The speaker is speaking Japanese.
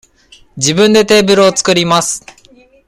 自分でテーブルを作ります。